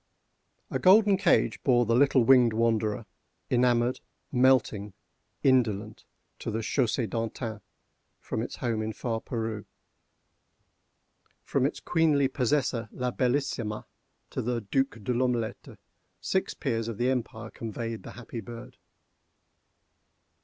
A golden cage bore the little winged wanderer, enamored, melting, indolent, to the Chaussée D'Antin, from its home in far Peru. From its queenly possessor La Bellissima, to the Duc De L'Omelette, six peers of the empire conveyed the happy bird.